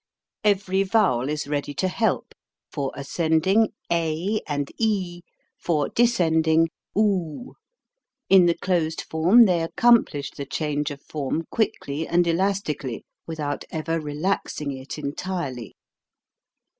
Every vowel is ready to help, for ascending a and e, for descending oo. In the closed form they 256 HOW TO SING accomplish the change of form quickly and elastically without ever relaxing it entirely.